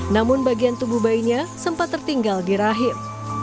namun bagian tubuh bayinya sempat tertinggal di rahim